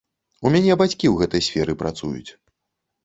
У мяне бацькі ў гэтай сферы працуюць.